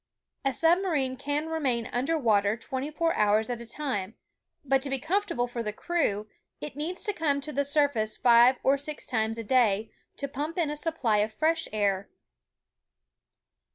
A submarine can remain under water twenty four hours at a time, but to be comfortable for the crew, it needs to come to the sur face five or six times a day, to pmnp in a supply of fresh air.